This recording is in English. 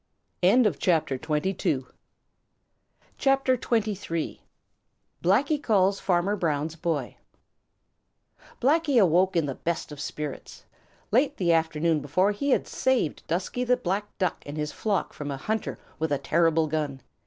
CHAPTER XXIII: Blacky Calls Farmer Brown's Boy Blacky awoke in the best of spirits. Late the afternoon before he had saved Dusky the Black Duck and his flock from a hunter with a terrible gun.